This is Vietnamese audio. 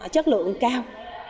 chất lượng cao